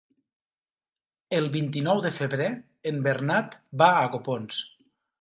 El vint-i-nou de febrer en Bernat va a Copons.